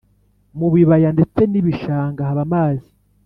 mubibaya ndetse nibishanga haba amazi